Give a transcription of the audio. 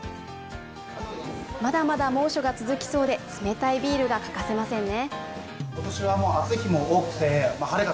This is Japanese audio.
まだまだ猛暑が続きそうで、冷たいビールが欠かせませんね。